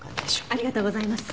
ありがとうございます。